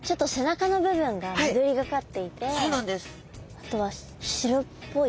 あとは白っぽい。